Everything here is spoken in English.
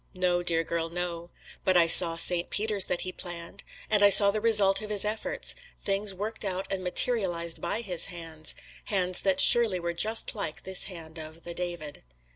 No, dear girl, no. But I saw Saint Peter's that he planned, and I saw the result of his efforts things worked out and materialized by his hands hands that surely were just like this hand of the "David."